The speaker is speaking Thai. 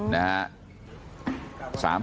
นะฮะ